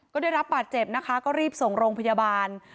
ก็ได้รับบาดเจ็บนะคะก็รีบส่งโรงพยาบาล